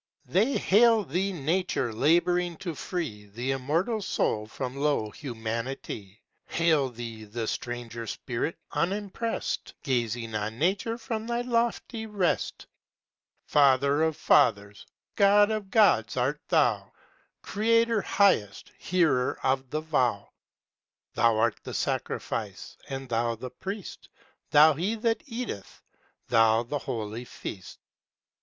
They hail Thee Nature labouring to free The Immortal Soul from low humanity; Hail Thee the stranger Spirit, unimpressed, Gazing on Nature from thy lofty rest. Father of fathers, God of gods art thou, Creator, highest, hearer of the vow! Thou art the sacrifice, and Thou the priest, Thou, he that eateth; Thou, the holy feast.